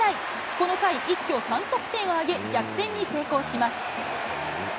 この回、一挙３得点を挙げ、逆転に成功します。